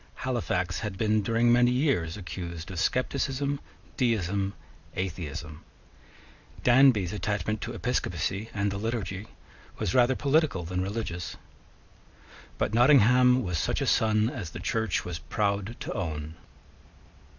Halifax had been during many years accused of scepticism, deism, atheism. Danby's attachment to episcopacy and the liturgy was rather political than religious. But Nottingham was such a son as the Church was proud to own.